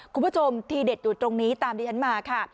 คุณผู้ชมทีเด็ดอยู่ตรงนี้ตามดิฉันมาค่ะ